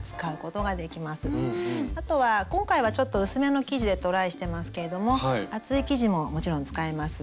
あとは今回はちょっと薄めの生地でトライしてますけれども厚い生地ももちろん使えます。